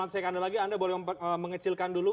saya ke anda lagi anda boleh mengecilkan dulu